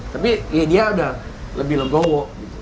tapi ya dia udah lebih legowo